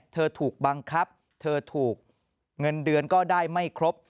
ถูกบังคับเธอถูกเงินเดือนก็ได้ไม่ครบ